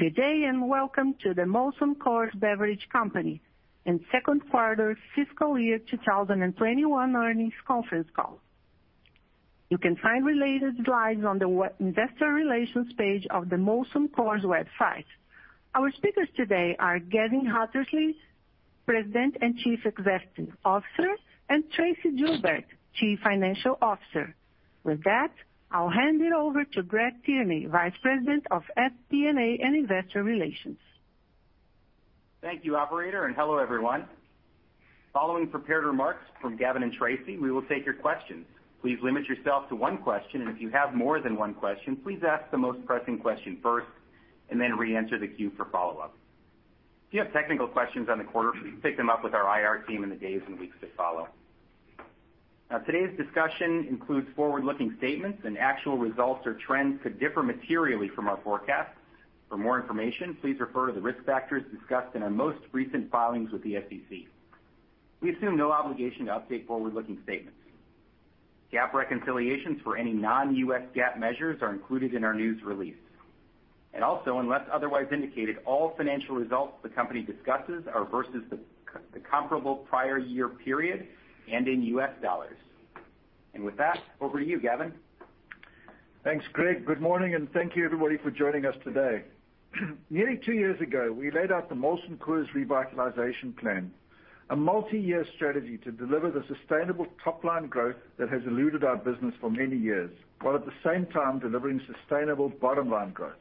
Good day, and welcome to the Molson Coors Beverage Company second quarter fiscal year 2021 earnings conference call. You can find related slides on the Investor Relations page of the Molson Coors website. Our speakers today are Gavin Hattersley, President and Chief Executive Officer, and Tracey Joubert, Chief Financial Officer. With that, I will hand it over to Greg Tierney, Vice President of FP&A and Investor Relations. Thank you, operator, and hello, everyone. Following prepared remarks from Gavin and Tracey, we will take your questions. Please limit yourself to one question, and if you have more than one question, please ask the most pressing question first, and then re-enter the queue for follow-up. If you have technical questions on the quarter, please take them up with our IR team in the days and weeks to follow. Now, today's discussion includes forward-looking statements, and actual results or trends could differ materially from our forecasts. For more information, please refer to the risk factors discussed in our most recent filings with the SEC. We assume no obligation to update forward-looking statements. GAAP reconciliations for any non-U.S. GAAP measures are included in our news release. Also, unless otherwise indicated, all financial results the company discusses are versus the comparable prior year period and in U.S. dollars. With that, over to you, Gavin. Thanks, Greg. Good morning, and thank you everybody for joining us today. Nearly two years ago, we laid out the Molson Coors Revitalization Plan, a multi-year strategy to deliver the sustainable top-line growth that has eluded our business for many years, while at the same time delivering sustainable bottom-line growth.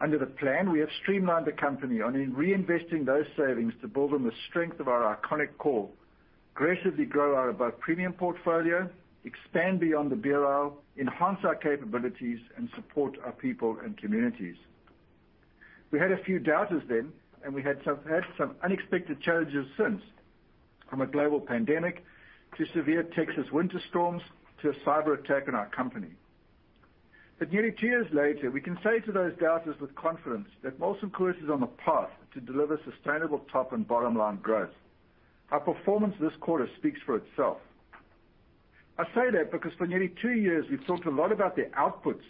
Under the plan, we have streamlined the company and are reinvesting those savings to build on the strength of our iconic core, aggressively grow our above-premium portfolio, expand beyond the beer aisle, enhance our capabilities, and support our people and communities. We had a few doubters then, and we had some unexpected challenges since, from a global pandemic to severe Texas winter storms to a cyber attack on our company. Nearly two years later, we can say to those doubters with confidence that Molson Coors is on the path to deliver sustainable top and bottom-line growth. Our performance this quarter speaks for itself. I say that because for nearly two years, we've talked a lot about the outputs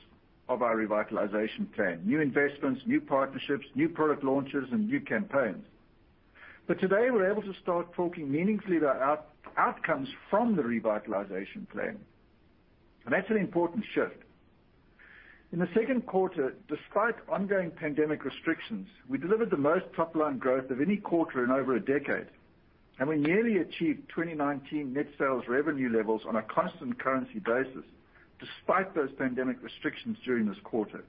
of our Revitalization Plan, new investments, new partnerships, new product launches, and new campaigns. Today we're able to start talking meaningfully about outcomes from the Revitalization Plan. That's an important shift. In the second quarter, despite ongoing pandemic restrictions, we delivered the most top-line growth of any quarter in over a decade, and we nearly achieved 2019 net sales revenue levels on a constant currency basis, despite those pandemic restrictions during this quarter.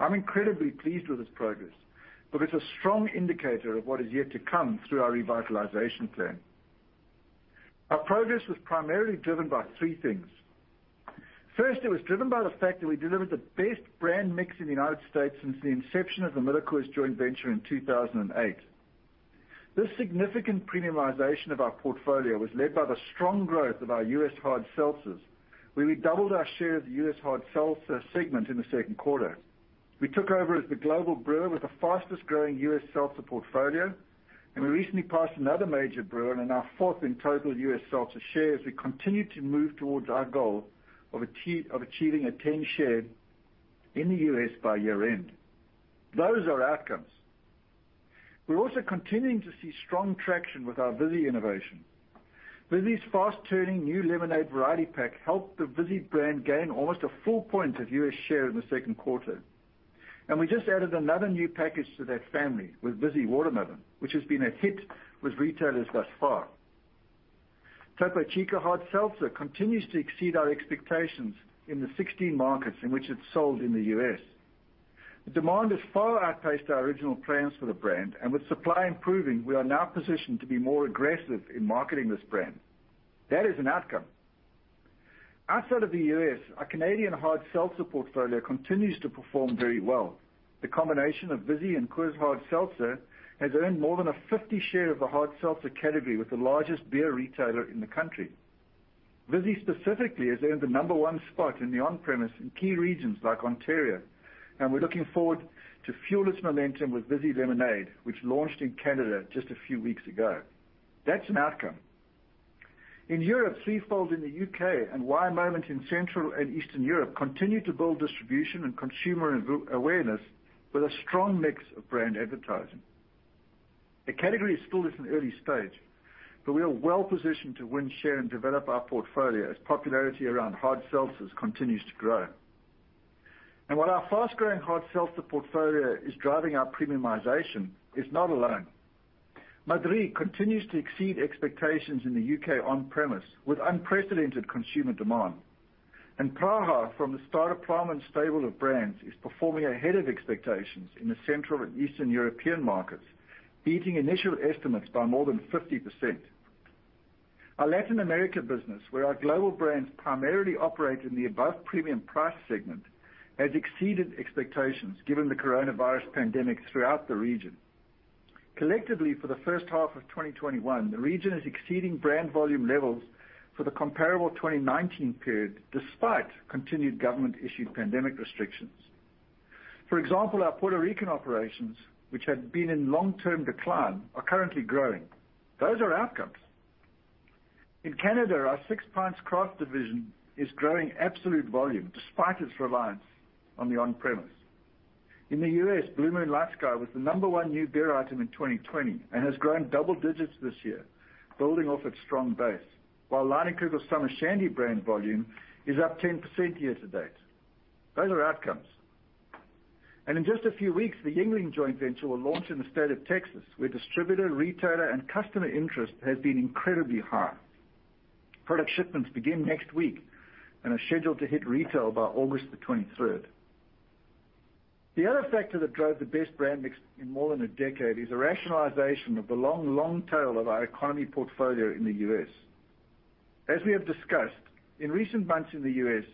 I'm incredibly pleased with this progress because it's a strong indicator of what is yet to come through our Revitalization Plan. Our progress was primarily driven by three things. First, it was driven by the fact that we delivered the best brand mix in the U.S. since the inception of the MillerCoors joint venture in 2008. This significant premiumization of our portfolio was led by the strong growth of our U.S. hard seltzers, where we doubled our share of the U.S. hard seltzer segment in the second quarter. We took over as the global brewer with the fastest-growing U.S. seltzer portfolio, and we recently passed another major brewer and are now fourth in total U.S. seltzer share as we continue to move towards our goal of achieving a 10% share in the U.S. by year-end. Those are outcomes. We're also continuing to see strong traction with our Vizzy innovation. Vizzy's fast-turning new lemonade variety pack helped the Vizzy brand gain almost a full point of U.S. share in the second quarter. We just added another new package to that family with Vizzy Watermelon, which has been a hit with retailers thus far. Topo Chico Hard Seltzer continues to exceed our expectations in the 16 markets in which it's sold in the U.S. The demand has far outpaced our original plans for the brand, and with supply improving, we are now positioned to be more aggressive in marketing this brand. That is an outcome. Outside of the U.S., our Canadian hard seltzer portfolio continues to perform very well. The combination of Vizzy and Coors Seltzer has earned more than a 50% share of the hard seltzer category with the largest beer retailer in the country. Vizzy specifically has earned the number one spot in the on-premise in key regions like Ontario, and we're looking forward to fuel its momentum with Vizzy Lemonade, which launched in Canada just a few weeks ago. That's an outcome. In Europe, Three Fold in the U.K. and Wai Moment in Central and Eastern Europe continue to build distribution and consumer awareness with a strong mix of brand advertising. The category is still at an early stage, but we are well-positioned to win, share, and develop our portfolio as popularity around hard seltzers continues to grow. While our fast-growing hard seltzer portfolio is driving our premiumization, it's not alone. Madrí continues to exceed expectations in the U.K. on-premise, with unprecedented consumer demand. Praha, from the Staropramen stable of brands, is performing ahead of expectations in the Central and Eastern European markets, beating initial estimates by more than 50%. Our Latin America business, where our global brands primarily operate in the above-premium price segment, has exceeded expectations given the coronavirus pandemic throughout the region. Collectively, for the first half of 2021, the region is exceeding brand volume levels for the comparable 2019 period, despite continued government-issued pandemic restrictions. For example, our Puerto Rican operations, which had been in long-term decline, are currently growing. Those are outcomes. In Canada, our Six Pints craft division is growing absolute volume despite its reliance on the on-premise. In the U.S., Blue Moon LightSky was the number one new beer item in 2020 and has grown double digits this year, building off its strong base, while Leinenkugel's Summer Shandy brand volume is up 10% year to date. Those are outcomes. In just a few weeks, the Yuengling joint venture will launch in the state of Texas, where distributor, retailer, and customer interest has been incredibly high. Product shipments begin next week and are scheduled to hit retail by August the 23rd. The other factor that drove the best brand mix in more than a decade is the rationalization of the long, long tail of our economy portfolio in the U.S. As we have discussed, in recent months in the U.S.,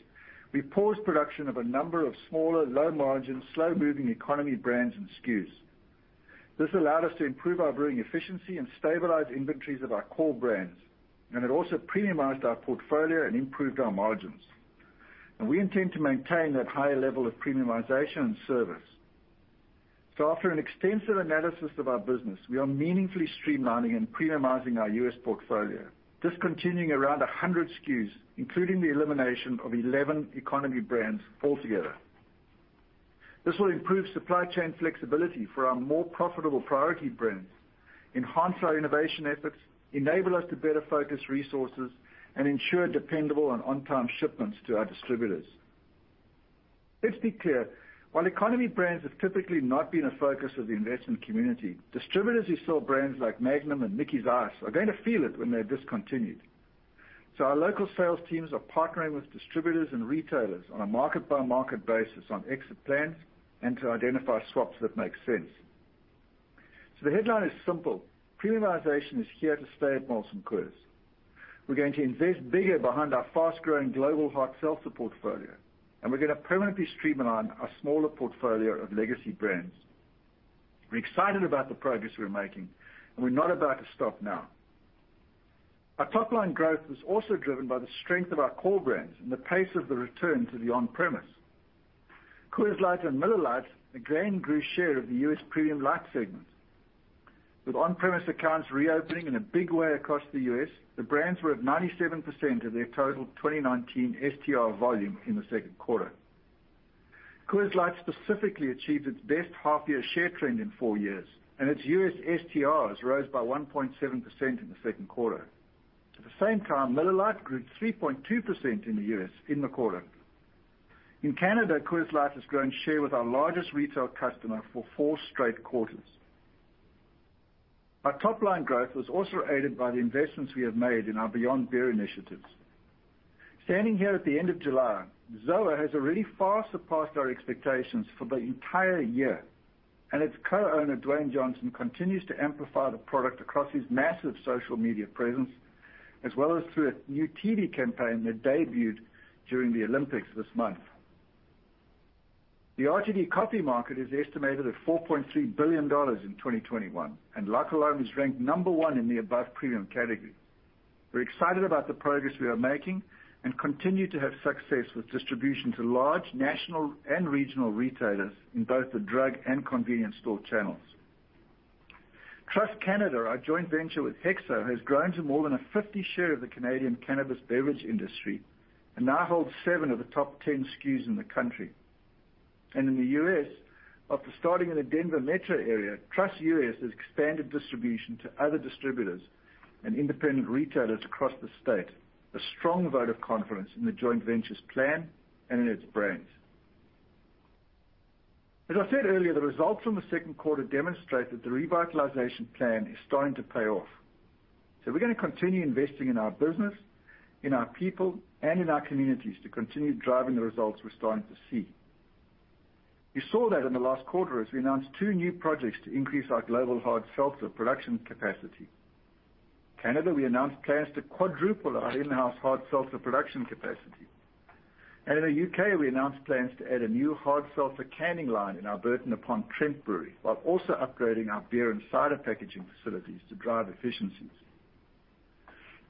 we paused production of a number of smaller, low-margin, slow-moving economy brands and SKUs. This allowed us to improve our brewing efficiency and stabilize inventories of our core brands, and it also premiumized our portfolio and improved our margins. We intend to maintain that higher level of premiumization and service. After an extensive analysis of our business, we are meaningfully streamlining and premiumizing our U.S. portfolio, discontinuing around 100 SKUs, including the elimination of 11 economy brands altogether. This will improve supply chain flexibility for our more profitable priority brands, enhance our innovation efforts, enable us to better focus resources, and ensure dependable and on-time shipments to our distributors. Let's be clear. While economy brands have typically not been a focus of the investment community, distributors who sell brands like Magnum and Mickey's Ice are going to feel it when they're discontinued. Our local sales teams are partnering with distributors and retailers on a market-by-market basis on exit plans and to identify swaps that make sense. The headline is simple. Premiumization is here to stay at Molson Coors. We're going to invest bigger behind our fast-growing global hard seltzer portfolio, and we're going to permanently streamline our smaller portfolio of legacy brands. We're excited about the progress we're making, and we're not about to stop now. Our top-line growth was also driven by the strength of our core brands and the pace of the return to the on-premise. Coors Light and Miller Lite again grew share of the U.S. premium light segments. With on-premise accounts reopening in a big way across the U.S., the brands were at 97% of their total 2019 STR volume in the second quarter. Coors Light specifically achieved its best half-year share trend in four years, and its U.S. STRs rose by 1.7% in the second quarter. At the same time, Miller Lite grew 3.2% in the U.S. in the quarter. In Canada, Coors Light has grown share with our largest retail customer for four straight quarters. Our top-line growth was also aided by the investments we have made in our Beyond Beer initiatives. Standing here at the end of July, ZOA has already far surpassed our expectations for the entire year, and its co-owner, Dwayne Johnson, continues to amplify the product across his massive social media presence, as well as through a new TV campaign that debuted during the Olympics this month. The RTD coffee market is estimated at $4.3 billion in 2021, and La Colombe is ranked number 1 in the Above Premium category. We're excited about the progress we are making and continue to have success with distribution to large national and regional retailers in both the drug and convenience store channels. Truss Canada, our joint venture with Hexo, has grown to more than a 50% share of the Canadian cannabis beverage industry and now holds seven of the top 10 SKUs in the country. In the U.S., after starting in the Denver metro area, Truss US has expanded distribution to other distributors and independent retailers across the state, a strong vote of confidence in the joint venture's plan and in its brands. As I said earlier, the results from the second quarter demonstrate that the Revitalization Plan is starting to pay off. We're going to continue investing in our business, in our people, and in our communities to continue driving the results we're starting to see. You saw that in the last quarter as we announced two new projects to increase our global hard seltzer production capacity. Canada, we announced plans to quadruple our in-house hard seltzer production capacity. In the U.K., we announced plans to add a new hard seltzer canning line in our Burton Upon Trent brewery while also upgrading our beer and cider packaging facilities to drive efficiencies.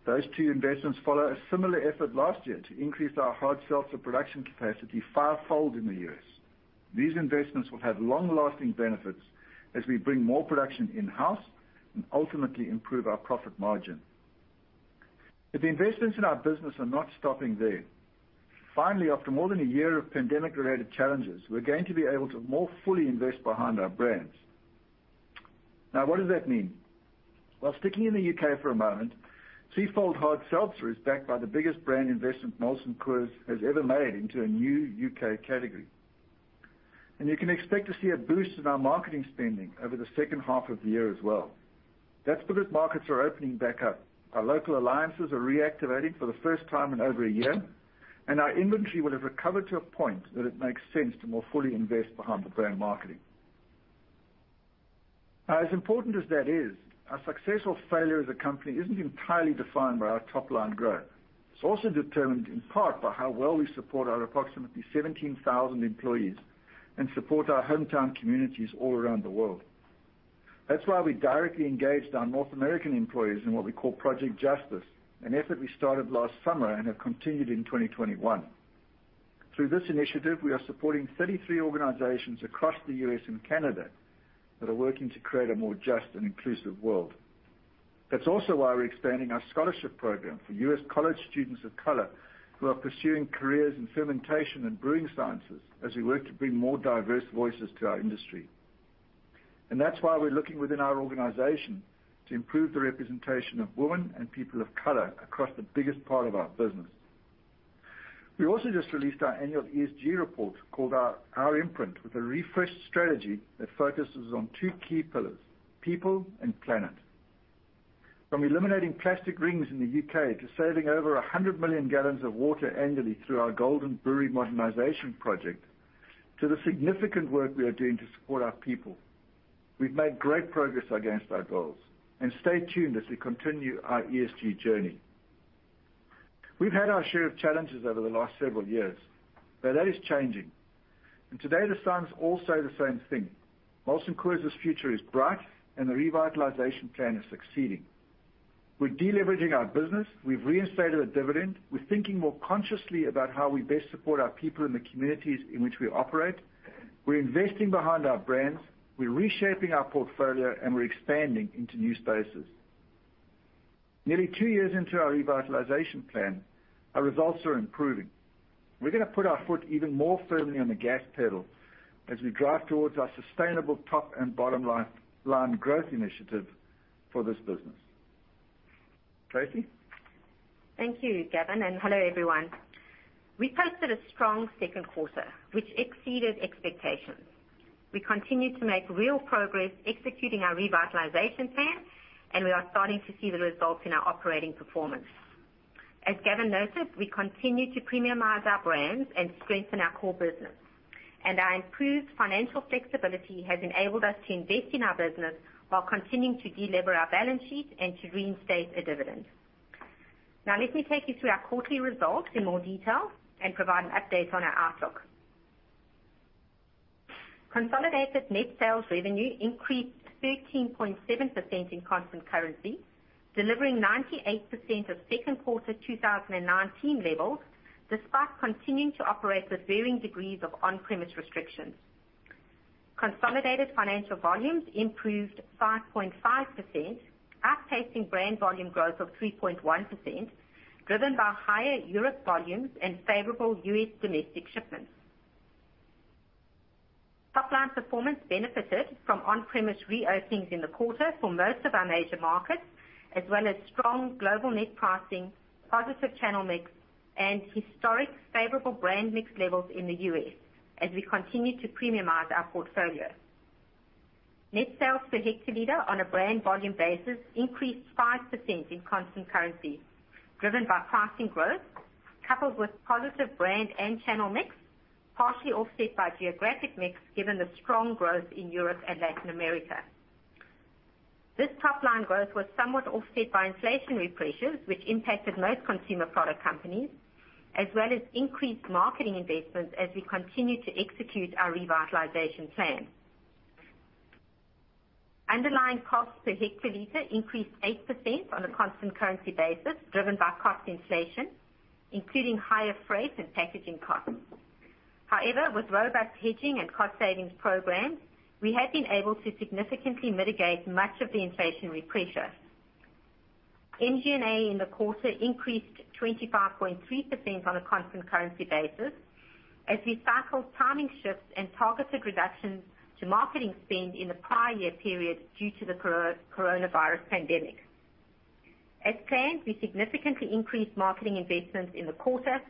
Those two investments follow a similar effort last year to increase our hard seltzer production capacity five-fold in the U.S. These investments will have long-lasting benefits as we bring more production in-house and ultimately improve our profit margin. The investments in our business are not stopping there. Finally, after more than one year of pandemic-related challenges, we're going to be able to more fully invest behind our brands. Now, what does that mean? Well, sticking in the U.K. for a moment, Three Fold Hard Seltzer is backed by the biggest brand investment Molson Coors has ever made into a new U.K. Category. You can expect to see a boost in our marketing spending over the second half of the year as well. That's because markets are opening back up. Our local alliances are reactivating for the first time in over one year, and our inventory will have recovered to a point that it makes sense to more fully invest behind the brand marketing. As important as that is, our success or failure as a company isn't entirely defined by our top-line growth. It's also determined in part by how well we support our approximately 17,000 employees and support our hometown communities all around the world. That's why we directly engaged our North American employees in what we call Project Justice, an effort we started last summer and have continued in 2021. Through this initiative, we are supporting 33 organizations across the U.S. and Canada that are working to create a more just and inclusive world. That's also why we're expanding our scholarship program for U.S. college students of color who are pursuing careers in fermentation and brewing sciences as we work to bring more diverse voices to our industry. That's why we're looking within our organization to improve the representation of women and people of color across the biggest part of our business. We also just released our annual ESG report called Our imprint, with a refreshed strategy that focuses on two key pillars: people and planet. From eliminating plastic rings in the U.K. to saving over 100 million gallons of water annually through our Golden Brewery modernization project, to the significant work we are doing to support our people. We've made great progress against our goals. Stay tuned as we continue our ESG journey. We've had our share of challenges over the last several years, but that is changing. Today, the sun is also the same thing. Molson Coors' future is bright, and the Molson Coors Revitalization Plan is succeeding. We're de-leveraging our business. We've reinstated a dividend. We're thinking more consciously about how we best support our people in the communities in which we operate. We're investing behind our brands. We're reshaping our portfolio, and we're expanding into new spaces. Nearly two years into our Molson Coors Revitalization Plan, our results are improving. We're going to put our foot even more firmly on the gas pedal as we drive towards our sustainable top and bottom line growth initiative for this business. Tracey? Thank you, Gavin, and hello, everyone. We posted a strong second quarter, which exceeded expectations. We continue to make real progress executing our Molson Coors Revitalization Plan, and we are starting to see the results in our operating performance. As Gavin noted, we continue to premiumize our brands and strengthen our core business. Our improved financial flexibility has enabled us to invest in our business while continuing to de-lever our balance sheet and to reinstate a dividend. Now, let me take you through our quarterly results in more detail and provide an update on our outlook. Consolidated net sales revenue increased 13.7% in constant currency, delivering 98% of second quarter 2019 levels, despite continuing to operate with varying degrees of on-premise restrictions. Consolidated financial volumes improved 5.5%, outpacing brand volume growth of 3.1%, driven by higher Europe volumes and favorable U.S. domestic shipments. Top-line performance benefited from on-premise reopenings in the quarter for most of our major markets, as well as strong global net pricing, positive channel mix, and historic favorable brand mix levels in the U.S. as we continue to premiumize our portfolio. Net sales per hectoliter on a brand volume basis increased 5% in constant currency, driven by pricing growth coupled with positive brand and channel mix, partially offset by geographic mix given the strong growth in Europe and Latin America. This top-line growth was somewhat offset by inflationary pressures, which impacted most consumer product companies, as well as increased marketing investments as we continue to execute our Molson Coors Revitalization Plan. Underlying cost per hectoliter increased 8% on a constant currency basis, driven by cost inflation, including higher freight and packaging costs. However, with robust hedging and cost savings programs, we have been able to significantly mitigate much of the inflationary pressures. MG&A in the quarter increased 25.3% on a constant currency basis as we cycled timing shifts and targeted reductions to marketing spend in the prior year period due to the coronavirus pandemic. As planned, we significantly increased marketing investments in the quarter,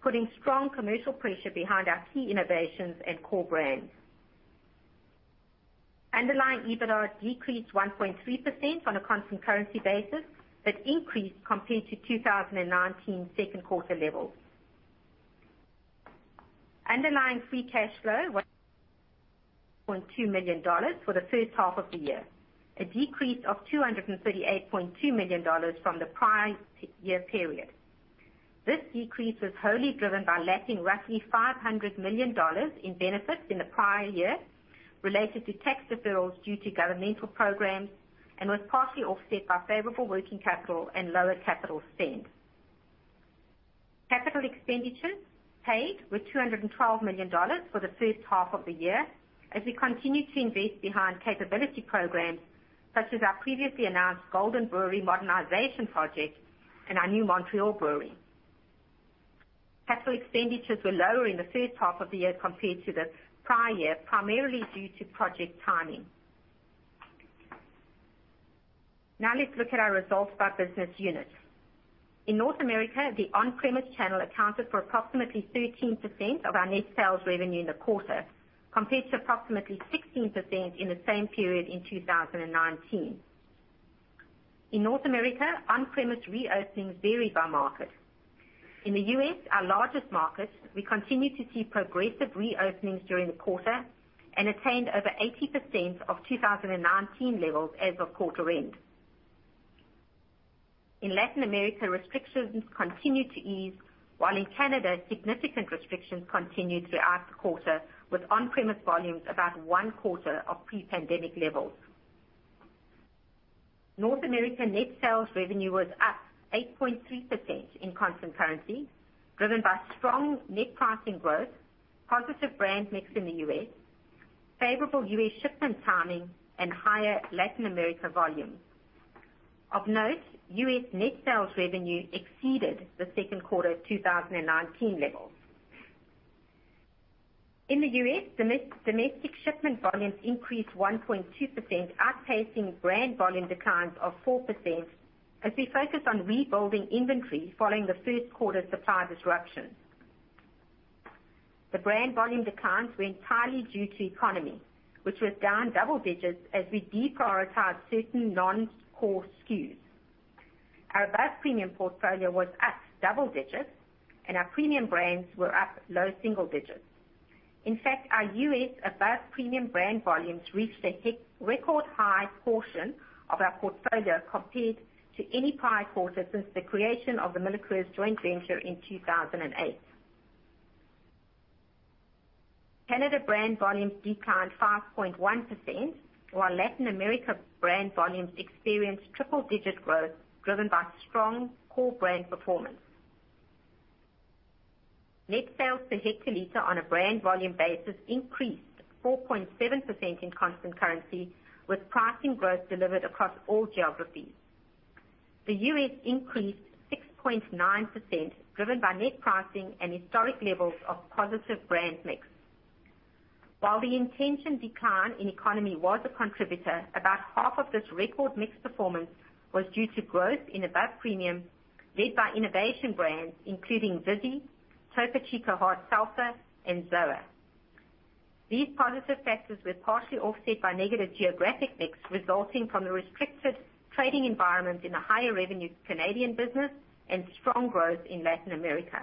putting strong commercial pressure behind our key innovations and core brands. Underlying EBITDA decreased 1.3% on a constant currency basis, but increased compared to 2019 second quarter levels. Underlying free cash flow was $2.2 million for the first half of the year, a decrease of $238.2 million from the prior year period. This decrease was wholly driven by lapping roughly $500 million in benefits in the prior year related to tax deferrals due to governmental programs and was partially offset by favorable working capital and lower capital spend. Capital expenditures paid were $212 million for the first half of the year as we continue to invest behind capability programs such as our previously announced Golden Brewery modernization project and our new Montreal brewery. Capital expenditures were lower in the first half of the year compared to the prior year, primarily due to project timing. Let's look at our results by business unit. In North America, the on-premise channel accounted for approximately 13% of our net sales revenue in the quarter, compared to approximately 16% in the same period in 2019. In North America, on-premise reopenings varied by market. In the U.S., our largest market, we continued to see progressive reopenings during the quarter and attained over 80% of 2019 levels as of quarter end. In Latin America, restrictions continued to ease, while in Canada, significant restrictions continued throughout the quarter, with on-premise volumes about one quarter of pre-pandemic levels. North America net sales revenue was up 8.3% in constant currency, driven by strong net pricing growth, positive brand mix in the U.S., favorable U.S. shipment timing, and higher Latin America volumes. Of note, U.S. net sales revenue exceeded the second quarter 2019 levels. In the U.S., domestic shipment volumes increased 1.2%, outpacing brand volume declines of 4% as we focus on rebuilding inventory following the first quarter supply disruptions. The brand volume declines were entirely due to economy, which was down double digits as we deprioritized certain non-core SKUs. Our Above Premium portfolio was up double digits, and our premium brands were up low single digits. In fact, our U.S. Above Premium brand volumes reached a record high portion of our portfolio compared to any prior quarter since the creation of the MillerCoors joint venture in 2008. Canada brand volumes declined 5.1%, while Latin America brand volumes experienced triple-digit growth, driven by strong core brand performance. Net sales per hectoliter on a brand volume basis increased 4.7% in constant currency, with pricing growth delivered across all geographies. The U.S. increased 6.9%, driven by net pricing and historic levels of positive brand mix. While the intention decline in economy was a contributor, about half of this record mix performance was due to growth in Above Premium, led by innovation brands including Vizzy, Topo Chico Hard Seltzer, and ZOA. These positive factors were partially offset by negative geographic mix resulting from the restricted trading environment in the higher revenue Canadian business and strong growth in Latin America.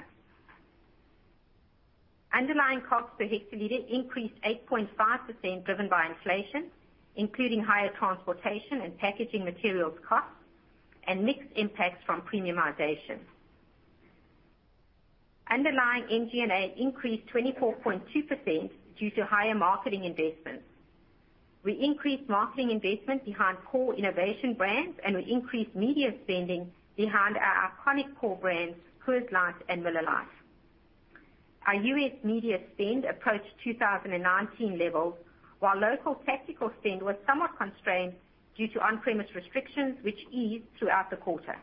Underlying cost per hectoliter increased 8.5%, driven by inflation, including higher transportation and packaging materials costs and mixed impacts from premiumization. Underlying MG&A increased 24.2% due to higher marketing investments. We increased marketing investment behind core innovation brands, we increased media spending behind our iconic core brands, Coors Light and Miller Lite. Our U.S. media spend approached 2019 levels, while local tactical spend was somewhat constrained due to on-premise restrictions which eased throughout the quarter.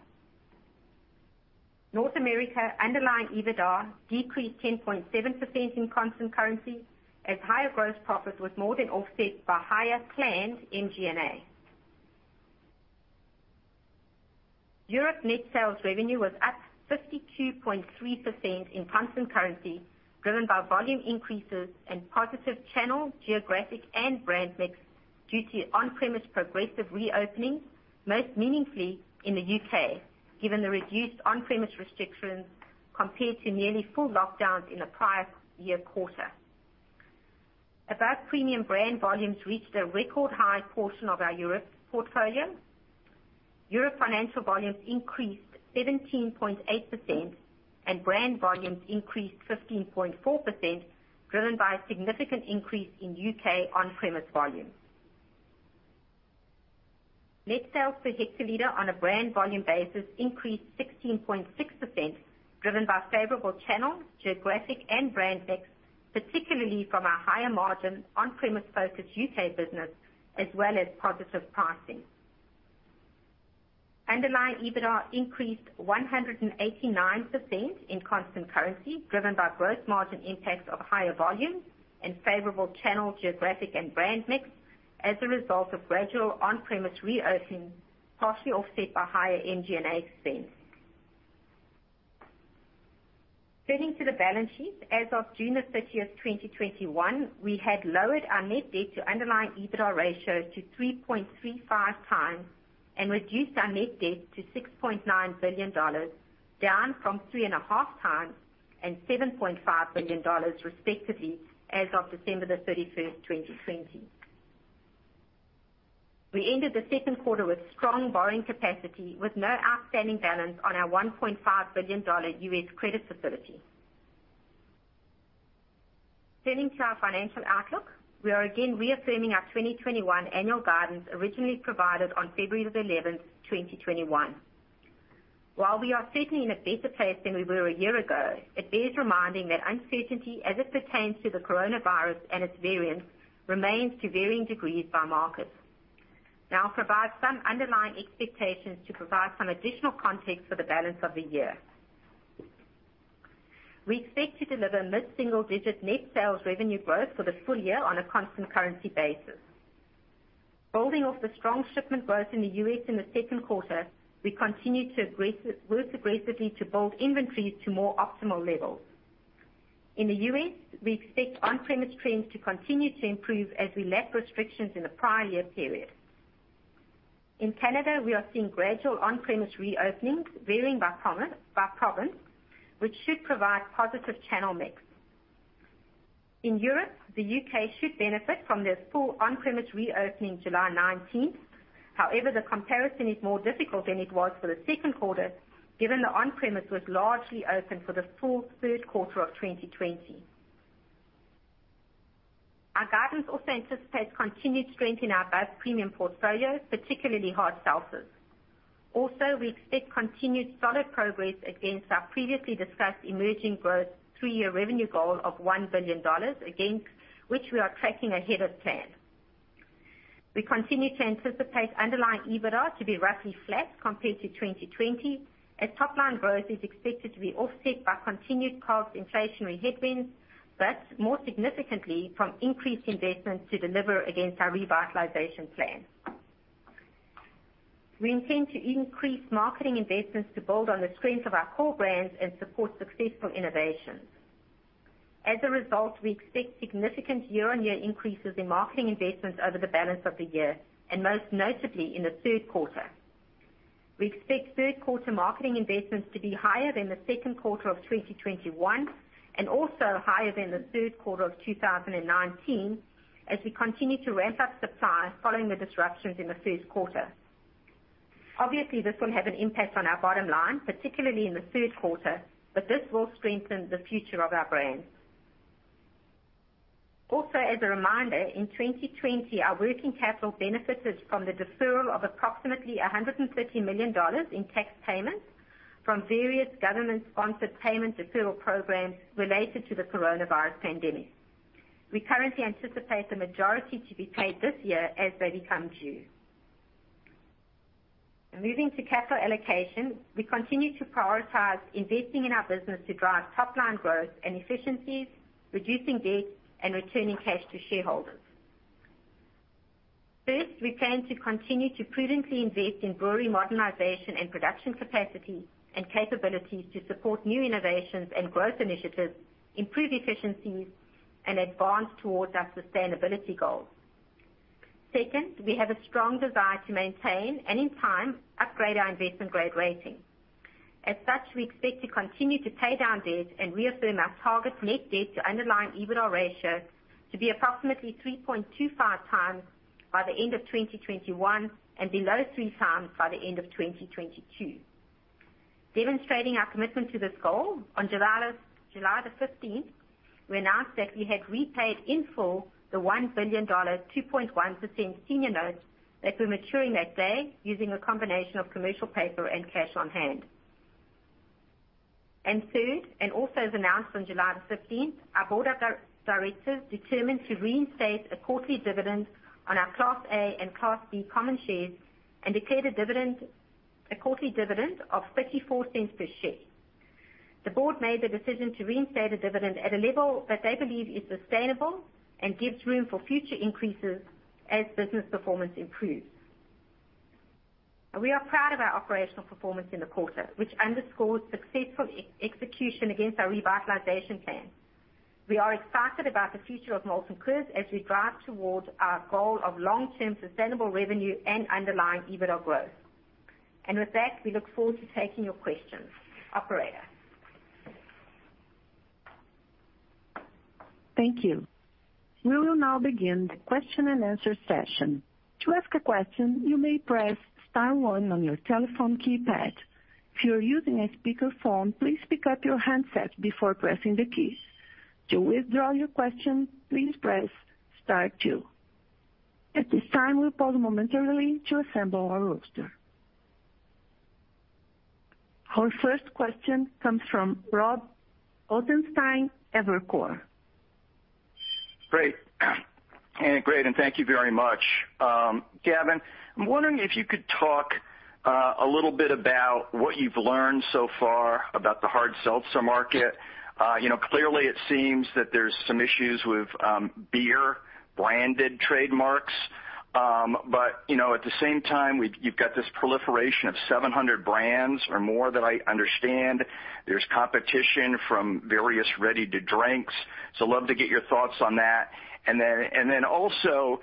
North America underlying EBITDA decreased 10.7% in constant currency as higher gross profit was more than offset by higher planned MG&A. Europe net sales revenue was up 52.3% in constant currency, driven by volume increases and positive channel, geographic, and brand mix due to on-premise progressive reopenings, most meaningfully in the U.K., given the reduced on-premise restrictions compared to nearly full lockdowns in the prior year quarter. Above Premium brand volumes reached a record high portion of our Europe portfolio. Europe financial volumes increased 17.8%, and brand volumes increased 15.4%, driven by a significant increase in U.K. on-premise volumes. Net sales per hectoliter on a brand volume basis increased 16.6%, driven by favorable channel, geographic, and brand mix, particularly from our higher margin on-premise focused U.K. business as well as positive pricing. Underlying EBITDA increased 189% in constant currency, driven by gross margin impacts of higher volumes and favorable channel geographic and brand mix as a result of gradual on-premise reopening, partially offset by higher MG&A spend. Turning to the balance sheet, as of June 30, 2021, we had lowered our net debt to underlying EBITDA ratio to 3.35x and reduced our net debt to $6.9 billion, down from 3.5x and $7.5 billion respectively as of December 31, 2020. We ended the second quarter with strong borrowing capacity, with no outstanding balance on our $1.5 billion U.S. credit facility. Turning to our financial outlook, we are again reaffirming our 2021 annual guidance originally provided on February 11th, 2021. While we are certainly in a better place than we were a year ago, it bears reminding that uncertainty as it pertains to the coronavirus and its variants remains to varying degrees by market. Now I'll provide some underlying expectations to provide some additional context for the balance of the year. We expect to deliver mid-single digit net sales revenue growth for the full year on a constant currency basis. Building off the strong shipment growth in the U.S. in the second quarter, we continue to work aggressively to build inventories to more optimal levels. In the U.S., we expect on-premise trends to continue to improve as we lap restrictions in the prior year period. In Canada, we are seeing gradual on-premise reopenings varying by province, which should provide positive channel mix. In Europe, the U.K. should benefit from this full on-premise reopening July 19th. The comparison is more difficult than it was for the second quarter given the on-premise was largely open for the full third quarter of 2020. Our guidance also anticipates continued strength in our best premium portfolio, particularly hard seltzers. We expect continued solid progress against our previously discussed emerging growth three-year revenue goal of $1 billion, against which we are tracking ahead of plan. We continue to anticipate underlying EBITDA to be roughly flat compared to 2020, as top-line growth is expected to be offset by continued cost inflationary headwinds, but more significantly, from increased investments to deliver against our Revitalization Plan. We intend to increase marketing investments to build on the strengths of our core brands and support successful innovations. As a result, we expect significant year-on-year increases in marketing investments over the balance of the year, and most notably in the third quarter. We expect third quarter marketing investments to be higher than the second quarter of 2021, and also higher than the third quarter of 2019, as we continue to ramp up supply following the disruptions in the first quarter. Obviously, this will have an impact on our bottom line, particularly in the third quarter, but this will strengthen the future of our brands. As a reminder, in 2020, our working capital benefited from the deferral of approximately $130 million in tax payments from various government-sponsored payment deferral programs related to the coronavirus pandemic. We currently anticipate the majority to be paid this year as they become due. Moving to capital allocation, we continue to prioritize investing in our business to drive top-line growth and efficiencies, reducing debt, and returning cash to shareholders. First, we plan to continue to prudently invest in brewery modernization and production capacity and capabilities to support new innovations and growth initiatives, improve efficiencies, and advance towards our sustainability goals. Second, we have a strong desire to maintain, and in time, upgrade our investment-grade rating. As such, we expect to continue to pay down debt and reaffirm our target net debt to underlying EBITDA ratio to be approximately 3.25x by the end of 2021, and below 3x by the end of 2022. Demonstrating our commitment to this goal, on July the 15th, we announced that we had repaid in full the $1 billion, 2.1% senior notes that were maturing that day using a combination of commercial paper and cash on hand. Third, and also as announced on July the 15th, our board of directors determined to reinstate a quarterly dividend on our Class A and Class B common shares, and declared a quarterly dividend of $0.34 per share. The board made the decision to reinstate a dividend at a level that they believe is sustainable and gives room for future increases as business performance improves. We are proud of our operational performance in the quarter, which underscores successful execution against our Molson Coors Revitalization Plan. We are excited about the future of Molson Coors as we drive towards our goal of long-term sustainable revenue and underlying EBITDA growth. With that, we look forward to taking your questions. Operator. Thank you. We will now begin the question and answer session. To ask a question, you may press star one on your telephone keypad. If you're using a speakerphone, please pick up your handset before pressing the keys. To withdraw your question, please press star two. At this time, we'll pause momentarily to assemble our roster. Our first question comes from Robert Ottenstein, Evercore. Great. Anna, great, thank you very much. Gavin, I'm wondering if you could talk a little bit about what you've learned so far about the hard seltzer market. Clearly it seems that there's some issues with beer branded trademarks. At the same time, you've got this proliferation of 700 brands or more that I understand. There's competition from various ready to drinks. Love to get your thoughts on that. Also,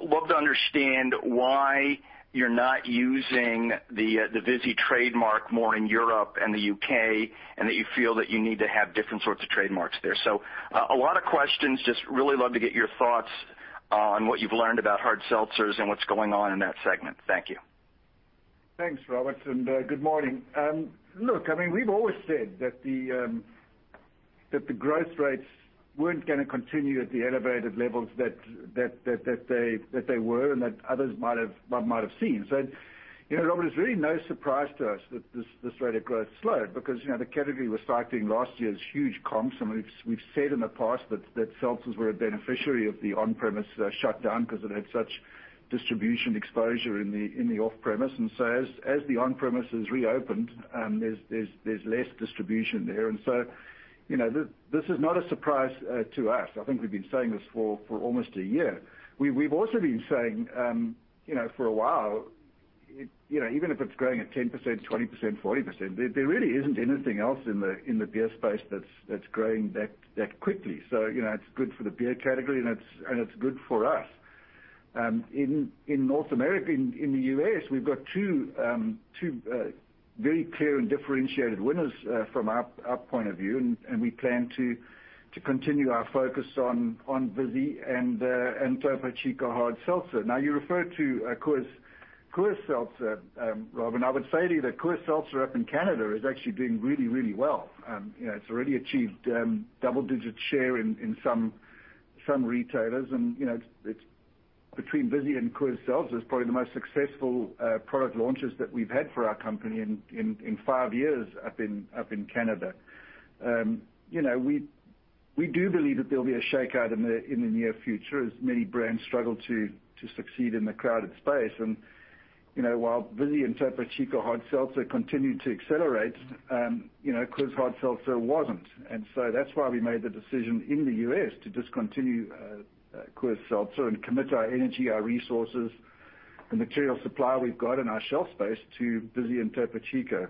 love to understand why you're not using the Vizzy trademark more in Europe and the U.K., and that you feel that you need to have different sorts of trademarks there. A lot of questions. Just really love to get your thoughts on what you've learned about hard seltzers and what's going on in that segment. Thank you. Thanks, Robert, good morning. Look, we've always said that the growth rates weren't going to continue at the elevated levels that they were, and that others might have seen. Robert, it's really no surprise to us that this rate of growth slowed because the category was cycling last year's huge comps, we've said in the past that seltzers were a beneficiary of the on-premise shutdown because it had such distribution exposure in the off-premise. As the on-premise has reopened, there's less distribution there. This is not a surprise to us. I think we've been saying this for almost a year. We've also been saying for a while, even if it's growing at 10%, 20%, 40%, there really isn't anything else in the beer space that's growing that quickly. It's good for the beer category and it's good for us. In North America, in the U.S., we've got two very clear and differentiated winners from our point of view, we plan to continue our focus on Vizzy and Topo Chico Hard Seltzer. You refer to Coors Seltzer, Rob, I would say to you that Coors Seltzer up in Canada is actually doing really well. It's already achieved double-digit share in some retailers, between Vizzy and Coors Seltzer, it's probably the most successful product launches that we've had for our company in five years up in Canada. We do believe that there'll be a shakeout in the near future as many brands struggle to succeed in the crowded space. While Vizzy and Topo Chico Hard Seltzer continued to accelerate, Coors Seltzer wasn't. That's why we made the decision in the U.S. to discontinue Coors Seltzer and commit our energy, our resources, the material supply we've got in our shelf space to Vizzy and Topo Chico.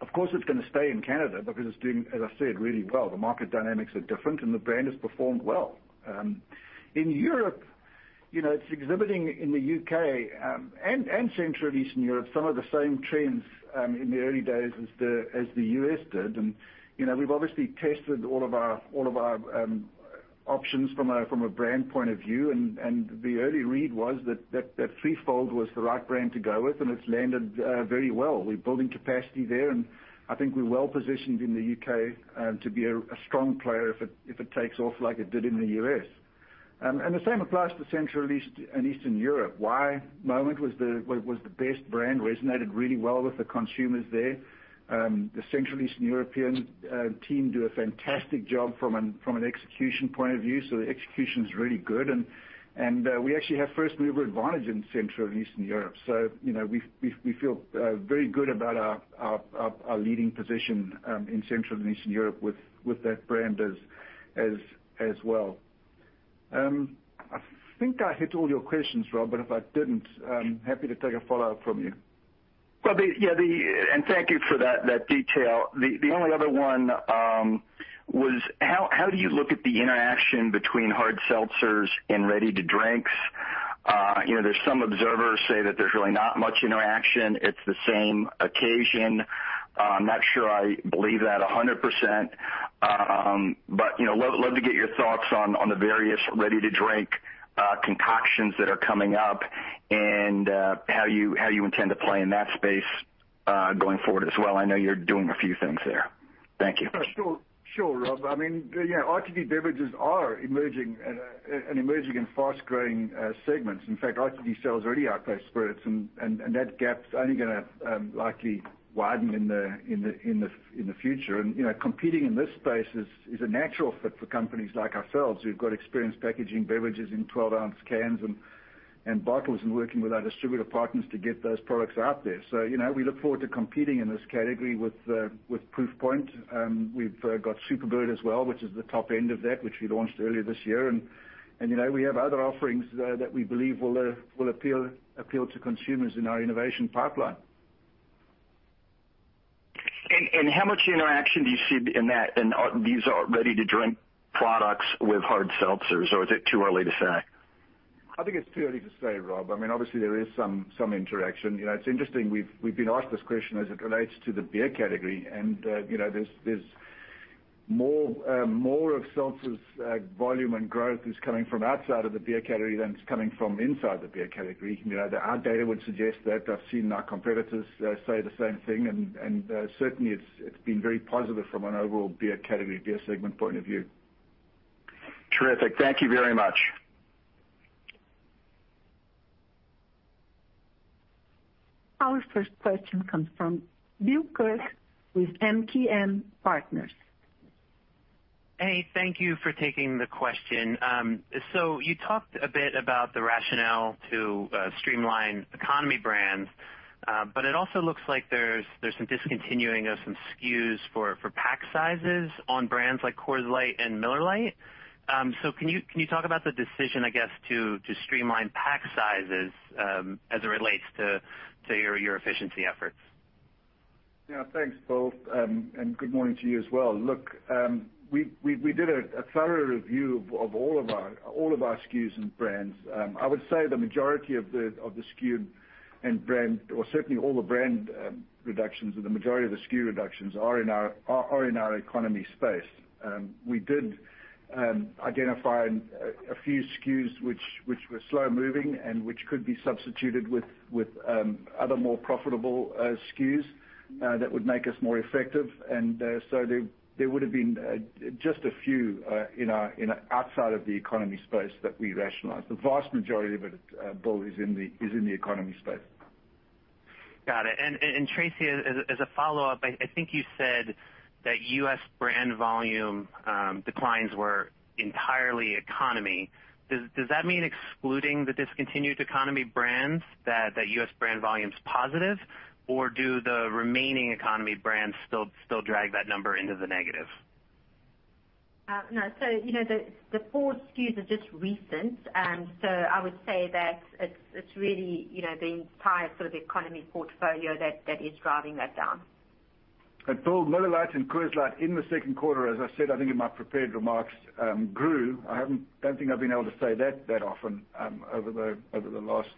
Of course, it's going to stay in Canada because it's doing, as I said, really well. The market dynamics are different, and the brand has performed well. In Europe, it's exhibiting in the U.K., and Central Eastern Europe, some of the same trends in the early days as the U.S. did. We've obviously tested all of our options from a brand point of view, and the early read was that Three Fold was the right brand to go with, and it's landed very well. We're building capacity there, and I think we're well-positioned in the U.K. to be a strong player if it takes off like it did in the U.S. The same applies to Central and Eastern Europe. Wai Moment was the best brand, resonated really well with the consumers there. The Central Eastern European team do a fantastic job from an execution point of view. The execution's really good, and we actually have first-mover advantage in Central and Eastern Europe, we feel very good about our leading position in Central and Eastern Europe with that brand as well. I think I hit all your questions, Rob, if I didn't, I'm happy to take a follow-up from you. Thank you for that detail. The only other one was how do you look at the interaction between hard seltzers and ready-to-drinks? There's some observers say that there's really not much interaction. It's the same occasion. I'm not sure I believe that 100%, but love to get your thoughts on the various ready-to-drink concoctions that are coming up and how you intend to play in that space going forward as well. I know you're doing a few things there. Thank you. Sure, Rob. RTD beverages are an emerging and fast-growing segment. In fact, RTD sales already outpace spirits, that gap's only going to likely widen in the future. Competing in this space is a natural fit for companies like ourselves who've got experience packaging beverages in 12-ounce cans and bottles and working with our distributor partners to get those products out there. We look forward to competing in this category with Proof Point. We've got Superbird as well, which is the top end of that, which we launched earlier this year. We have other offerings that we believe will appeal to consumers in our innovation pipeline. How much interaction do you see in that in these ready-to-drink products with hard seltzers, or is it too early to say? I think it's too early to say, Rob. Obviously, there is some interaction. It's interesting, we've been asked this question as it relates to the beer category. There's more of seltzer's volume and growth is coming from outside of the beer category than is coming from inside the beer category. Our data would suggest that. I've seen our competitors say the same thing. Certainly, it's been very positive from an overall beer category, beer segment point of view. Terrific. Thank you very much. Our first question comes from Bill Kirk with MKM Partners. Hey, thank you for taking the question. You talked a bit about the rationale to streamline economy brands, but it also looks like there's some discontinuing of some SKUs for pack sizes on brands like Coors Light and Miller Lite. Can you talk about the decision, I guess, to streamline pack sizes as it relates to your efficiency efforts? Yeah. Thanks, Bill. Good morning to you as well. Look, we did a thorough review of all of our SKUs and brands. I would say the majority of the SKU and brand, or certainly all the brand reductions or the majority of the SKU reductions are in our economy space. We did identify a few SKUs which were slow-moving and which could be substituted with other more profitable SKUs that would make us more effective. There would have been just a few outside of the economy space that we rationalized. The vast majority of it, Bill, is in the economy space. Got it. Tracey, as a follow-up, I think you said that U.S. brand volume declines were entirely economy. Does that mean excluding the discontinued economy brands, that U.S. brand volume's positive, or do the remaining economy brands still drag that number into the negative? No. The four SKUs are just recent. I would say that it's really the entire economy portfolio that is driving that down. Bill, Miller Lite and Coors Light in the second quarter, as I said, I think, in my prepared remarks, grew. I don't think I've been able to say that often over the last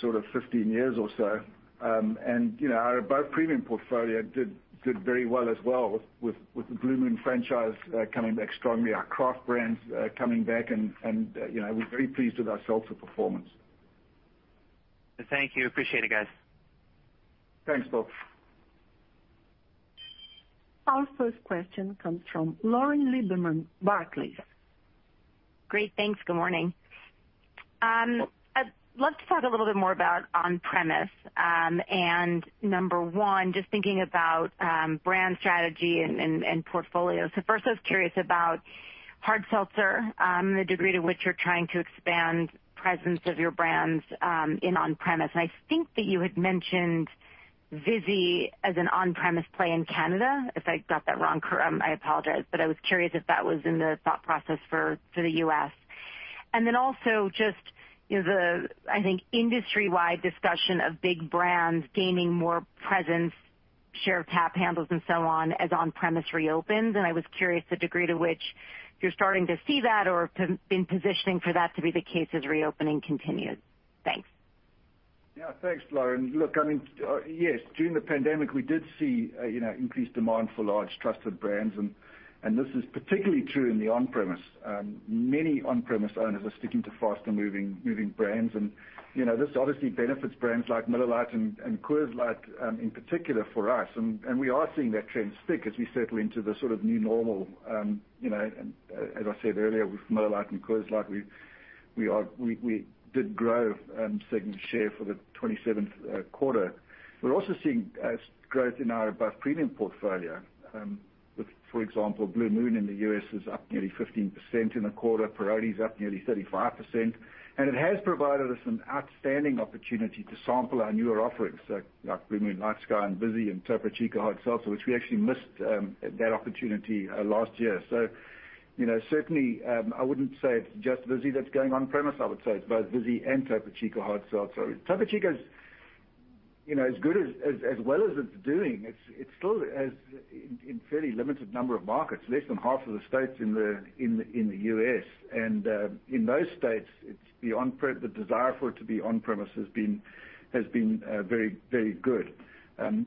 15 years or so. Our above-premium portfolio did very well as well with the Blue Moon franchise coming back strongly, our craft brands coming back, and we're very pleased with our seltzer performance. Thank you. Appreciate it, guys. Thanks, Bill. Our first question comes from Lauren Lieberman, Barclays. Great, thanks. Good morning. I'd love to talk a little bit more about on-premise. Number one, just thinking about brand strategy and portfolio. First, I was curious about hard seltzer, the degree to which you're trying to expand presence of your brands in on-premise. I think that you had mentioned Vizzy as an on-premise play in Canada. If I got that wrong, I apologize, but I was curious if that was in the thought process for the U.S. Also just the, I think, industry-wide discussion of big brands gaining more presence, share of tap handles and so on, as on-premise reopens. I was curious the degree to which you're starting to see that or have been positioning for that to be the case as reopening continues. Thanks. Thanks, Lauren. Look, yes, during the pandemic, we did see increased demand for large trusted brands, and this is particularly true in the on-premise. Many on-premise owners are sticking to faster-moving brands. This obviously benefits brands like Miller Lite and Coors Light, in particular for us. We are seeing that trend stick as we settle into the sort of new normal. As I said earlier, with Miller Lite and Coors Light, we did grow segment share for the 27th quarter. We're also seeing growth in our above-premium portfolio. For example, Blue Moon in the U.S. is up nearly 15% in the quarter. Peroni's up nearly 35%, and it has provided us an outstanding opportunity to sample our newer offerings, like Blue Moon LightSky and Vizzy and Topo Chico Hard Seltzer, which we actually missed that opportunity last year. Certainly, I wouldn't say it's just Vizzy that's going on-premise. I would say it's both Vizzy and Topo Chico Hard Seltzer. Topo Chico, as well as it's doing, it's still in fairly limited number of markets, less than half of the states in the U.S. In those states, the desire for it to be on-premise has been very good.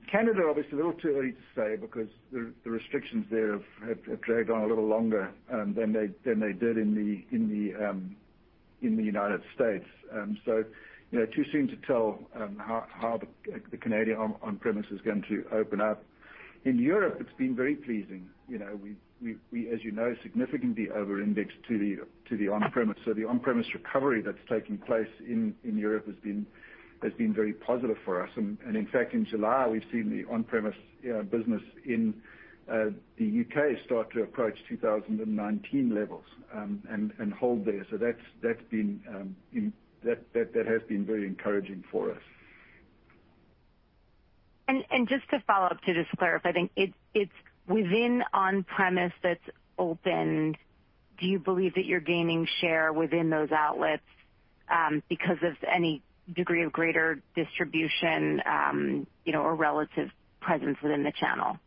Canada, obviously, a little too early to say because the restrictions there have dragged on a little longer than they did in the United States. Too soon to tell how the Canadian on-premise is going to open up. In Europe, it's been very pleasing. We, as you know, significantly over-indexed to the on-premise. The on-premise recovery that's taking place in Europe has been very positive for us. In fact, in July, we've seen the on-premise business in the U.K. start to approach 2019 levels and hold there. That has been very encouraging for us. Just to follow up, to just clarify, I think it's within on-premise that's opened, do you believe that you're gaining share within those outlets because of any degree of greater distribution or relative presence within the channel?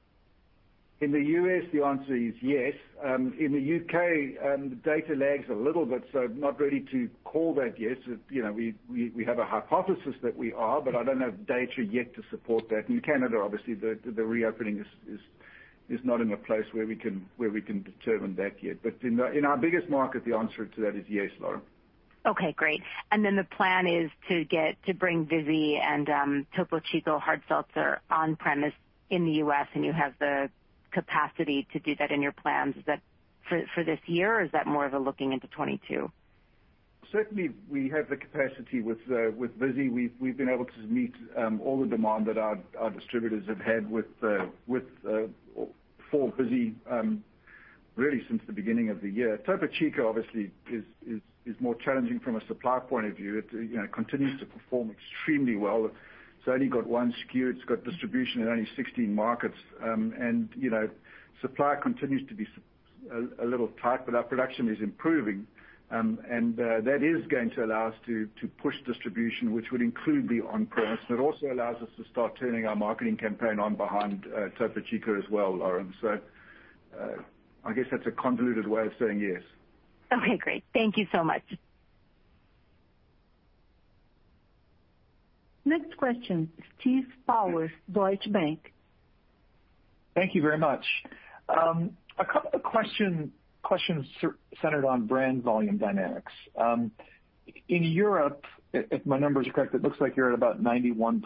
In the U.S., the answer is yes. In the U.K., the data lags a little bit, not ready to call that yet. We have a hypothesis that we are, I don't have data yet to support that. In Canada, obviously, the reopening is not in a place where we can determine that yet. In our biggest market, the answer to that is yes, Lauren. Okay, great. The plan is to bring Vizzy and Topo Chico Hard Seltzer on-premise in the U.S., and you have the capacity to do that in your plans. Is that for this year, or is that more of a looking into 2022? Certainly, we have the capacity with Vizzy. We've been able to meet all the demand that our distributors have had for Vizzy, really since the beginning of the year. Topo Chico, obviously, is more challenging from a supply point of view. It continues to perform extremely well. It's only got one SKU. It's got distribution in only 16 markets. Supply continues to be a little tight, but our production is improving. That is going to allow us to push distribution, which would include the on-premise, but also allows us to start turning our marketing campaign on behind Topo Chico as well, Lauren. I guess that's a convoluted way of saying yes. Okay, great. Thank you so much. Next question, Steve Powers, Deutsche Bank. Thank you very much. A question centered on brand volume dynamics. In Europe, if my numbers are correct, it looks like you're at about 91%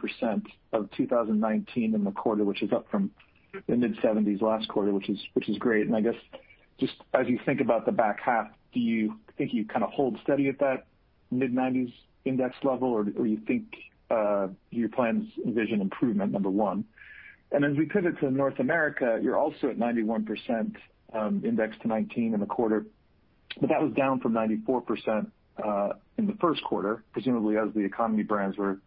of 2019 in the quarter, which is up from the mid-70s last quarter, which is great. I guess, just as you think about the back half, do you think you kind of hold steady at that mid-90s index level, or do you think your plans envision improvement, number one? As we pivot to North America, you're also at 91% index to 2019 in the quarter, but that was down from 94% in the first quarter, presumably as the economy brands were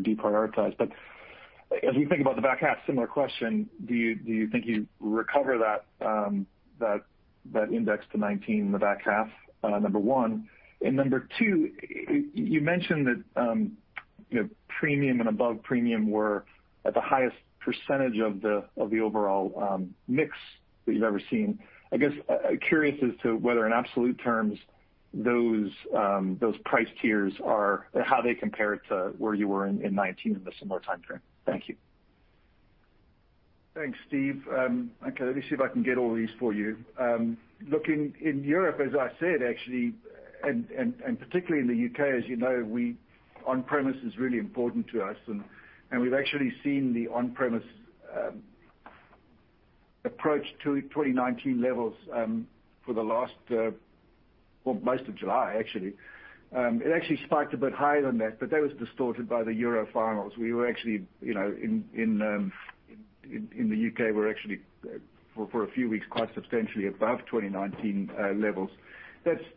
deprioritized. As we think about the back half, similar question, do you think you recover that index to 2019 in the back half, number one? Number two, you mentioned that premium and above premium were at the highest percentage of the overall mix that you've ever seen. I guess, curious as to whether in absolute terms, those price tiers are, how they compare to where you were in 2019 in a similar time frame. Thank you. Thanks, Steve. Okay, let me see if I can get all these for you. Looking in Europe, as I said, actually, and particularly in the U.K., as you know, on-premise is really important to us, and we've actually seen the on-premise approached 2019 levels for most of July, actually. It actually spiked a bit higher than that, but that was distorted by the Euro finals. We were actually in the U.K., we were actually for a few weeks, quite substantially above 2019 levels.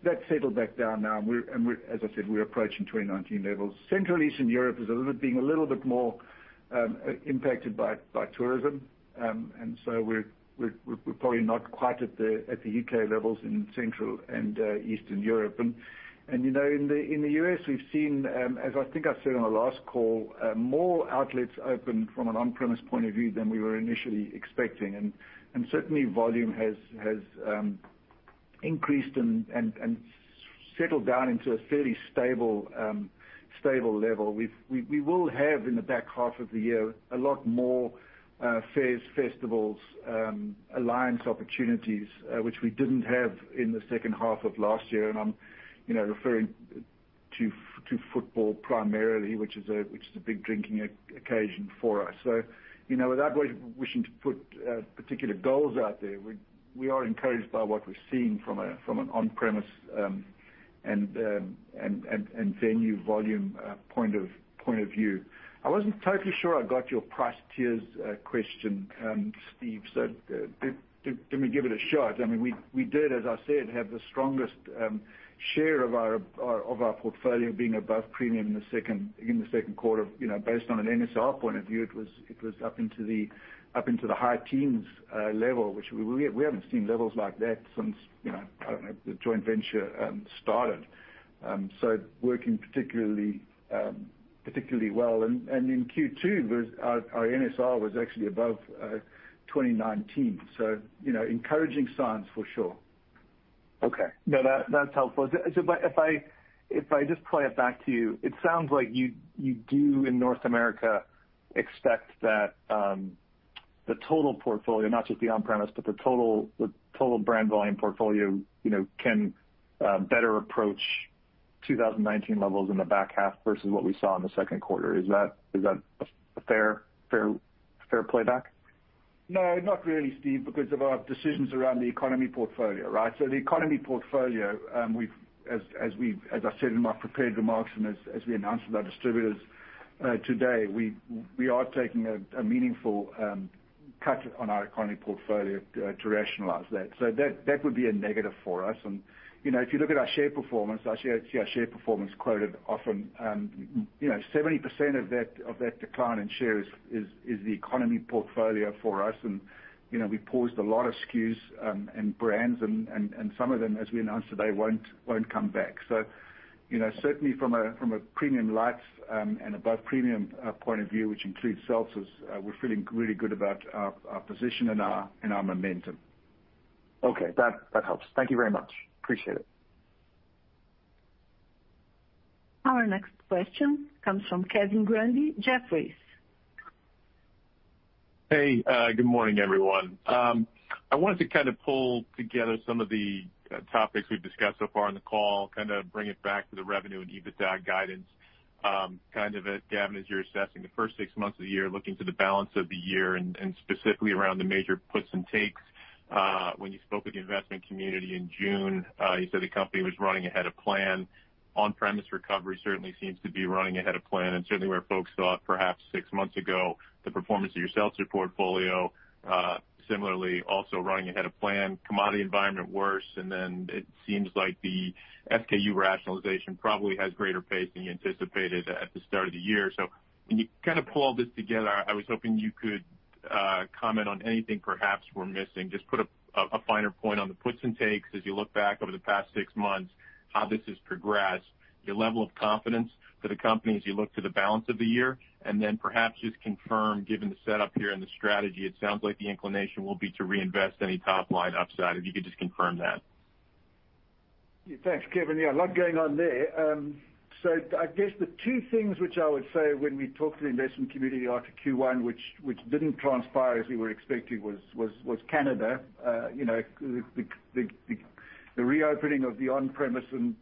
That's settled back down now, and as I said, we're approaching 2019 levels. Central Eastern Europe is being a little bit more impacted by tourism. So we're probably not quite at the U.K. levels in Central and Eastern Europe. In the U.S., we've seen, as I think I said on our last call, more outlets open from an on-premise point of view than we were initially expecting. Certainly, volume has increased and settled down into a fairly stable level. We will have, in the back half of the year, a lot more fairs, festivals, alliance opportunities, which we didn't have in the second half of last year. I'm referring to football primarily, which is a big drinking occasion for us. Without wishing to put particular goals out there, we are encouraged by what we're seeing from an on-premise and venue volume point of view. I wasn't totally sure I got your price tiers question, Steve, so let me give it a shot. We did, as I said, have the strongest share of our portfolio being above premium in the second quarter. Based on an NSR point of view, it was up into the high teens level, which we haven't seen levels like that since, I don't know, the joint venture started. Working particularly well. In Q2, our NSR was actually above 2019. Encouraging signs for sure. Okay. No, that's helpful. If I just play it back to you, it sounds like you do in North America expect that the total portfolio, not just the on-premise, but the total brand volume portfolio can better approach 2019 levels in the back half versus what we saw in the second quarter. Is that a fair play back? Not really, Steve, because of our decisions around the economy portfolio, right? The economy portfolio, as I said in my prepared remarks and as we announced to our distributors today, we are taking a meaningful cut on our economy portfolio to rationalize that. That would be a negative for us. If you look at our share performance, I see our share performance quoted often, 70% of that decline in share is the economy portfolio for us. We paused a lot of SKUs and brands and some of them, as we announced today, won't come back. Certainly from a premium light and above premium point of view, which includes seltzers, we're feeling really good about our position and our momentum. Okay. That helps. Thank you very much. Appreciate it. Our next question comes from Kevin Grundy, Jefferies. Hey, good morning, everyone. I wanted to kind of pull together some of the topics we've discussed so far on the call, kind of bring it back to the revenue and EBITDA guidance. Kind of, Gavin, as you're assessing the first six months of the year, looking to the balance of the year and specifically around the major puts and takes. When you spoke with the investment community in June, you said the company was running ahead of plan. on-premise recovery certainly seems to be running ahead of plan and certainly where folks thought perhaps six months ago, the performance of your seltzer portfolio, similarly also running ahead of plan. Commodity worse. It seems like the SKU rationalization probably has greater pace than you anticipated at the start of the year. When you kind of pull all this together, I was hoping you could comment on anything perhaps we're missing? Just put a finer point on the puts and takes as you look back over the past six months, how this has progressed, your level of confidence for the company as you look to the balance of the year, and then perhaps just confirm, given the setup here and the strategy, it sounds like the inclination will be to reinvest any top-line upside. If you could just confirm that. Yeah. Thanks, Kevin. Yeah, a lot going on there. I guess the two things which I would say when we talk to the investment community after Q1, which didn't transpire as we were expecting was Canada. The reopening of the on-premise and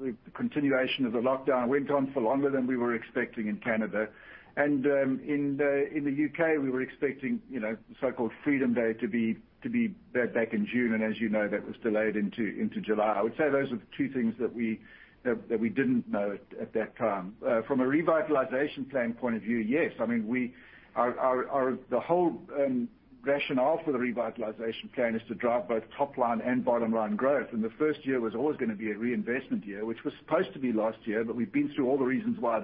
the continuation of the lockdown went on for longer than we were expecting in Canada. In the U.K., we were expecting so-called Freedom Day to be back in June. As you know, that was delayed into July. I would say those are the two things that we didn't know at that time. From a Molson Coors Revitalization Plan point of view, yes. The whole rationale for the Molson Coors Revitalization Plan is to drive both top-line and bottom-line growth. The first year was always going to be a reinvestment year, which was supposed to be last year, but we've been through all the reasons why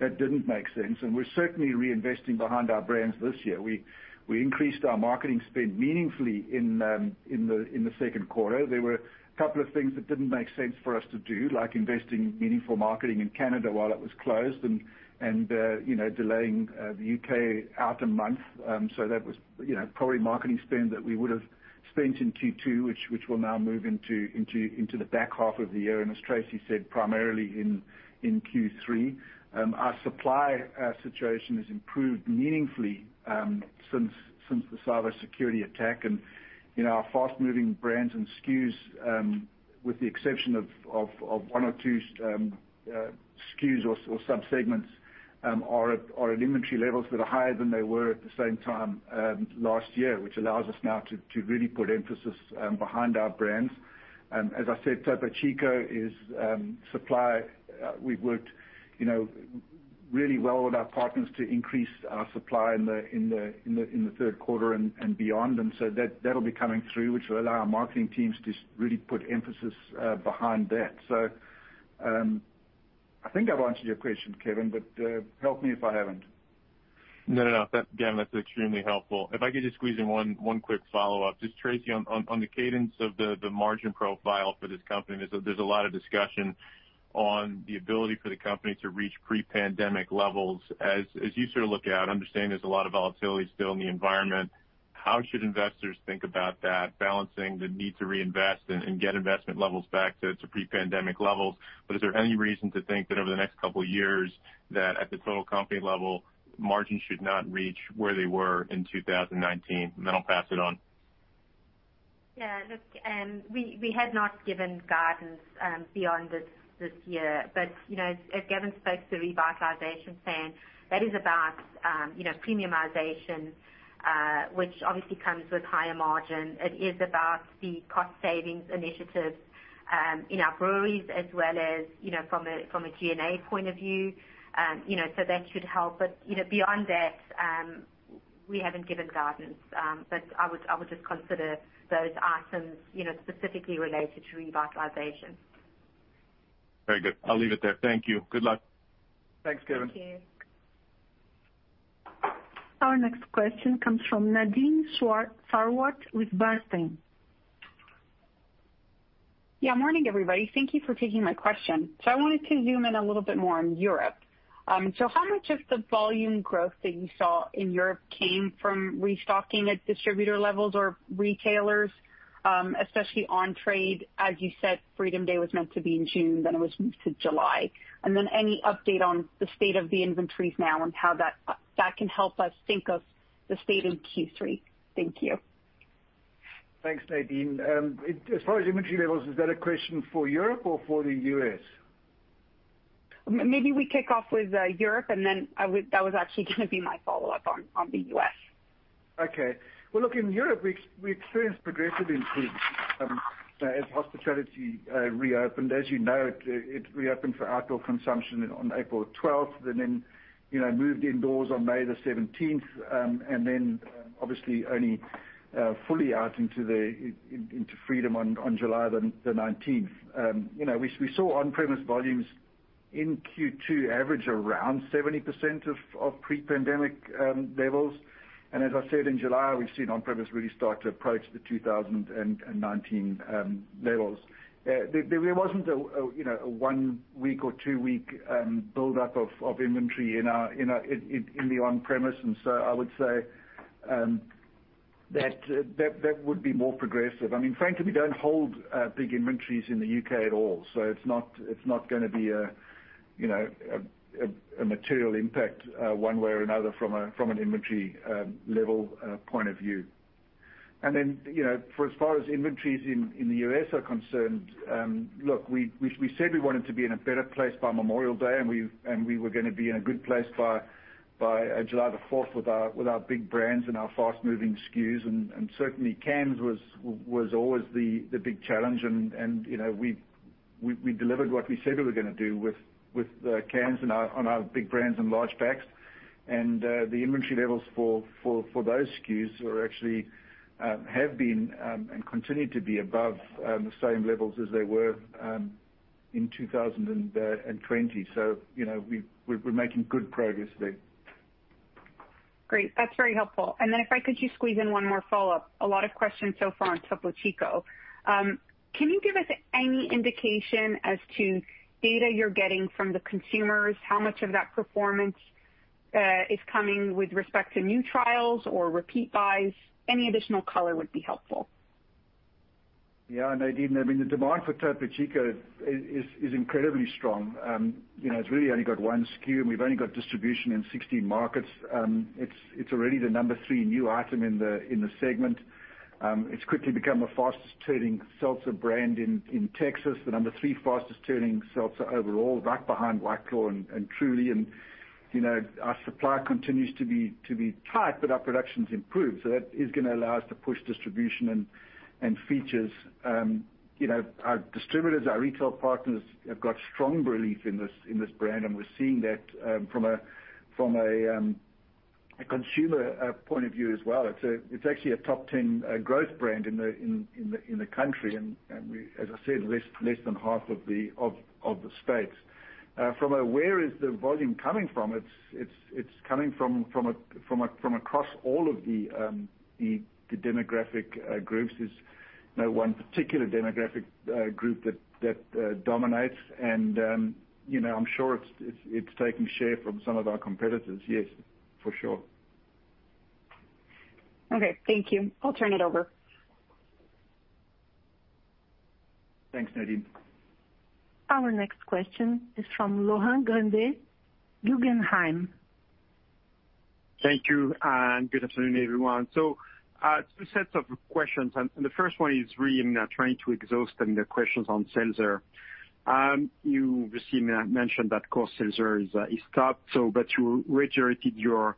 that didn't make sense, and we're certainly reinvesting behind our brands this year. We increased our marketing spend meaningfully in the second quarter. There were a couple of things that didn't make sense for us to do, like investing meaningful marketing in Canada while it was closed and delaying the U.K. out a month. That was probably marketing spend that we would have spent in Q2, which will now move into the back half of the year, and as Tracey said, primarily in Q3. Our supply situation has improved meaningfully since the cybersecurity attack. Our fast-moving brands and SKUs, with the exception of one or two SKUs or subsegments, are at inventory levels that are higher than they were at the same time last year, which allows us now to really put emphasis behind our brands. As I said, Topo Chico is supply. We've worked really well with our partners to increase our supply in the third quarter and beyond. That'll be coming through, which will allow our marketing teams to really put emphasis behind that. I think I've answered your question, Kevin, but help me if I haven't. Again, that's extremely helpful. If I could just squeeze in one quick follow-up. Tracey, on the cadence of the margin profile for this company, there's a lot of discussion on the ability for the company to reach pre-pandemic levels. As you look out, I understand there's a lot of volatility still in the environment. How should investors think about that, balancing the need to reinvest and get investment levels back to pre-pandemic levels? Is there any reason to think that over the next couple of years that at the total company level, margins should not reach where they were in 2019? I'll pass it on. Look, we had not given guidance beyond this year. As Gavin spoke to Revitalization Plan, that is about premiumization, which obviously comes with higher margin. It is about the cost savings initiatives in our breweries as well as from a G&A point of view. That should help. Beyond that, we haven't given guidance. I would just consider those items specifically related to Revitalization. Very good. I'll leave it there. Thank you. Good luck. Thanks, Kevin. Thank you. Our next question comes from Nadine Sarwat with Bernstein. Morning, everybody. Thank you for taking my question. I wanted to zoom in a little bit more on Europe. How much of the volume growth that you saw in Europe came from restocking at distributor levels or retailers, especially on trade? As you said, Freedom Day was meant to be in June, then it was moved to July. Any update on the state of the inventories now and how that can help us think of the state in Q3? Thank you. Thanks, Nadine. As far as inventory levels, is that a question for Europe or for the U.S.? Maybe we kick off with Europe and then that was actually going to be my follow-up on the U.S. Okay. Well, look, in Europe, we experienced progressive improvements as hospitality reopened. As you know, it reopened for outdoor consumption on April 12th, and then moved indoors on May 17th, and then obviously only fully out into Freedom Day on July 19th. We saw on-premise volumes in Q2 average around 70% of pre-pandemic levels. As I said, in July, we've seen on-premise really start to approach the 2019 levels. There wasn't a one week or two week buildup of inventory in the on-premise. I would say that would be more progressive. Frankly, we don't hold big inventories in the U.K. at all, so it's not going to be a material impact one way or another from an inventory level point of view. For as far as inventories in the U.S. are concerned, look, we said we wanted to be in a better place by Memorial Day, we were going to be in a good place by July the 4th with our big brands and our fast-moving SKUs. Certainly, cans was always the big challenge and we delivered what we said we were going to do with the cans on our big brands and large packs. The inventory levels for those SKUs actually have been and continue to be above the same levels as they were in 2020. We're making good progress there. Great. That's very helpful. Then if I could just squeeze in one more follow-up. A lot of questions so far on Topo Chico. Can you give us any indication as to data you're getting from the consumers? How much of that performance is coming with respect to new trials or repeat buys? Any additional color would be helpful. Yeah, Nadine. The demand for Topo Chico is incredibly strong. It's really only got one SKU, and we've only got distribution in 16 markets. It's already the number three new item in the segment. It's quickly become the fastest-turning seltzer brand in Texas, the number three fastest-turning seltzer overall, right behind White Claw and Truly. Our supply continues to be tight, but our production's improved, that is going to allow us to push distribution and features. Our distributors, our retail partners have got strong belief in this brand, and we're seeing that from a consumer point of view as well. It's actually a top 10 growth brand in the country, and as I said, less than half of the states. From a where is the volume coming from, it's coming from across all of the demographic groups. There's no one particular demographic group that dominates. I'm sure it's taking share from some of our competitors. Yes, for sure. Okay. Thank you. I'll turn it over. Thanks, Nadine. Our next question is from Laurent Grandet, Guggenheim. Thank you, and good afternoon, everyone. Two sets of questions, and the first one is really trying to exhaust the questions on seltzer. You recently mentioned that Coors Seltzer is tough, but you reiterated your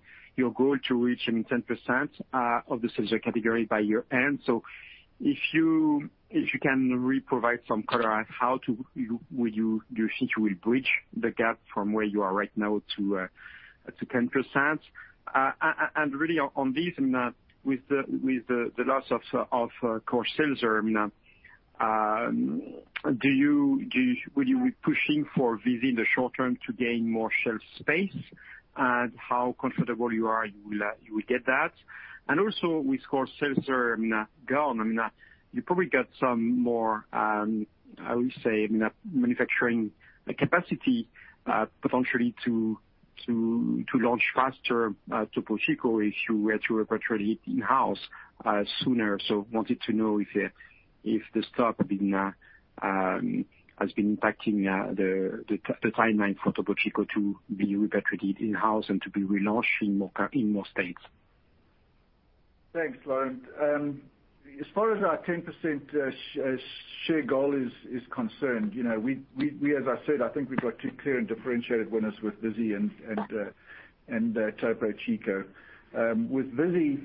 goal to reach 10% of the seltzer category by year-end. If you can re-provide some color on how do you think you will bridge the gap from where you are right now to 10%? Really on this, with the loss of Coors Seltzer, will you be pushing for within the short term to gain more shelf space? How comfortable you are you will get that? Also with Coors Seltzer gone, you probably got some more, how you say, manufacturing capacity, potentially to launch faster Topo Chico if you were to return it in-house sooner. Wanted to know if the stop has been impacting the timeline for Topo Chico to be repatriated in-house and to be relaunched in more states? Thanks, Laurent. As far as our 10% share goal is concerned, as I said, I think we've got two clear and differentiated winners with Vizzy and Topo Chico. With Vizzy,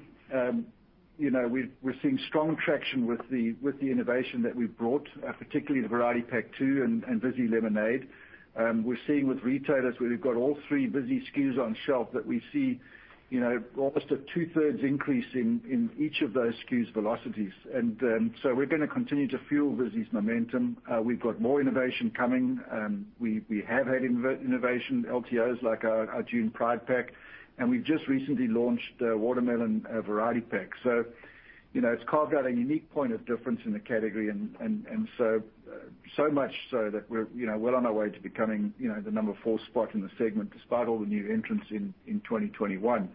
we're seeing strong traction with the innovation that we've brought, particularly the variety pack two and Vizzy Lemonade. We're seeing with retailers where we've got all three Vizzy SKUs on shelf that we see almost a two-thirds increase in each of those SKUs velocities. We're going to continue to fuel Vizzy's momentum. We've got more innovation coming. We have had innovation LTOs, like our June Pride pack, and we've just recently launched a watermelon variety pack. It's carved out a unique point of difference in the category and so much so that we're well on our way to becoming the number four spot in the segment, despite all the new entrants in 2021.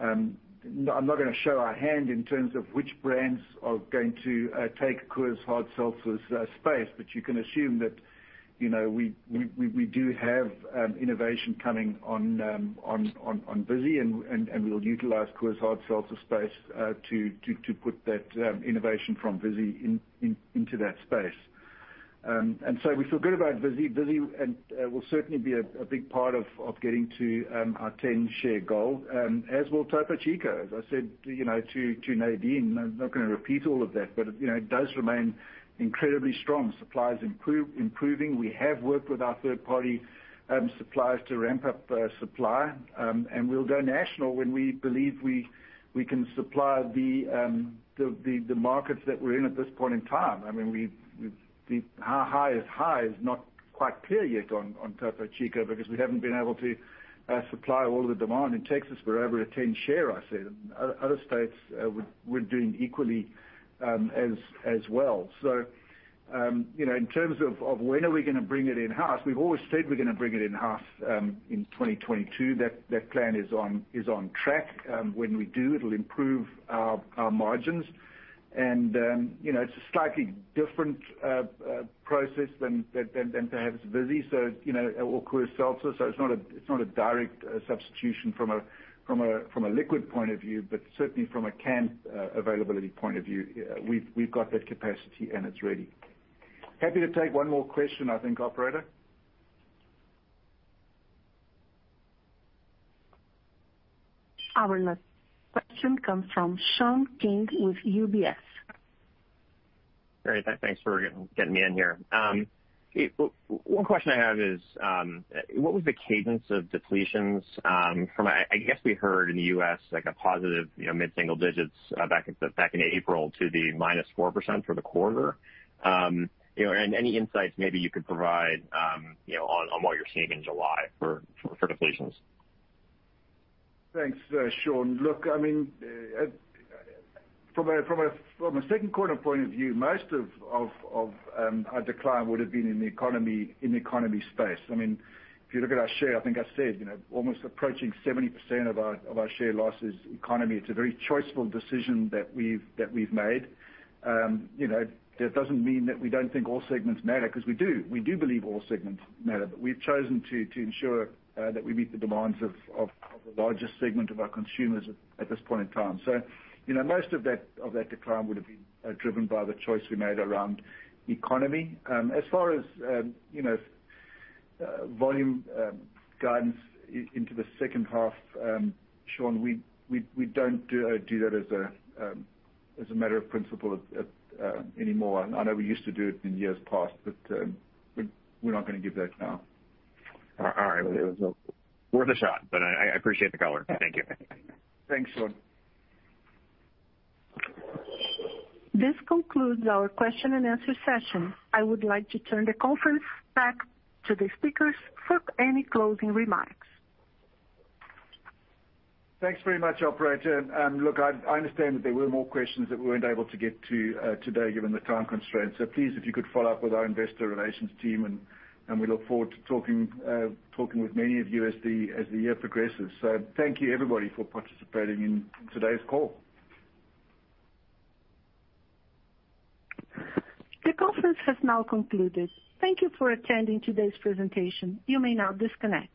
I'm not going to show our hand in terms of which brands are going to take Coors Seltzer's space. You can assume that we do have innovation coming on Vizzy, and we'll utilize Coors Seltzer space to put that innovation from Vizzy into that space. We feel good about Vizzy. Vizzy will certainly be a big part of getting to our 10% share goal, as will Topo Chico. As I said to Nadine, I'm not going to repeat all of that, it does remain incredibly strong. Supply is improving. We have worked with our third-party suppliers to ramp up supply. We'll go national when we believe we can supply the markets that we're in at this point in time. How high is high is not quite clear yet on Topo Chico because we haven't been able to supply all the demand in Texas. We're over a 10% share, I said. Other states we're doing equally as well. In terms of when are we going to bring it in-house, we've always said we're going to bring it in-house in 2022. That plan is on track. When we do, it'll improve our margins and it's a slightly different process than perhaps Vizzy or Coors Seltzer, so it's not a direct substitution from a liquid point of view, but certainly from a can availability point of view, we've got that capacity and it's ready. Happy to take one more question, I think, operator. Our last question comes from Sean King with UBS. Great. Thanks for getting me in here. One question I have is what was the cadence of depletions from, I guess we heard in the U.S., like a positive mid-single digits back in April to the -4% for the quarter? Any insights maybe you could provide on what you're seeing in July for depletions. Thanks, Sean. Look, from a second quarter point of view, most of our decline would've been in the economy space. If you look at our share, I think I said, almost approaching 70% of our share loss is economy. It's a very choiceful decision that we've made. That doesn't mean that we don't think all segments matter, because we do. We do believe all segments matter, but we've chosen to ensure that we meet the demands of the largest segment of our consumers at this point in time. Most of that decline would've been driven by the choice we made around economy. As far as volume guidance into the second half, Sean, we don't do that as a matter of principle anymore. I know we used to do it in years past, but we're not going to give that now. All right. Worth a shot, but I appreciate the color. Thank you. Thanks, Sean. This concludes our question and answer session. I would like to turn the conference back to the speakers for any closing remarks. Thanks very much, operator. Look, I understand that there were more questions that we weren't able to get to today given the time constraints. Please, if you could follow up with our investor relations team, and we look forward to talking with many of you as the year progresses. Thank you everybody for participating in today's call. The conference has now concluded. Thank you for attending today's presentation. You may now disconnect.